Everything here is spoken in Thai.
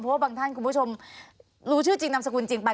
เพราะว่าบางท่านคุณผู้ชมรู้ชื่อจริงนามสกุลจริงไป